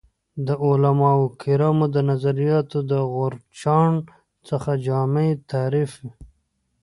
د علمای کرامو د نظریاتو د غورچاڼ څخه جامع تعریف